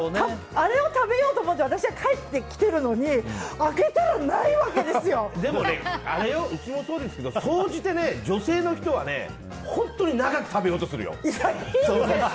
あれを食べようと思って私は帰ってきてるのにうちもそうだけど総じて女性の人は本当に長く食べようとするよ。